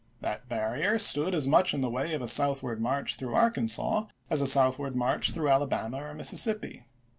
That barrier stood as much in the way of a southward march through Arkansas as a southward march through Alabama or Mississippi.